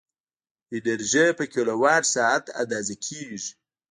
انرژي په کیلووات ساعت اندازه کېږي.